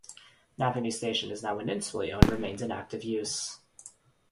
Napanee's station is now municipally owned and remains in active use.